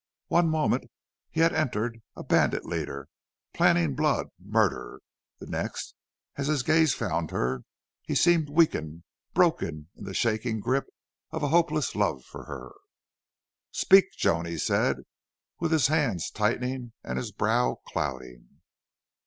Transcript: One moment he had entered a bandit leader, planning blood, murder; the next, as his gaze found her, he seemed weakened, broken in the shaking grip of a hopeless love for her. "Speak, Joan!" he said, with his hands tightening and his brow clouding.